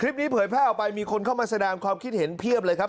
เผยแพร่ออกไปมีคนเข้ามาแสดงความคิดเห็นเพียบเลยครับ